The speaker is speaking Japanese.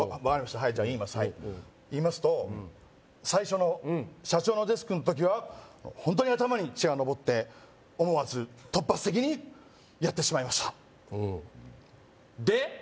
はい言いますと最初の社長のデスクの時はホントに頭に血が上って思わず突発的にやってしまいましたうんで？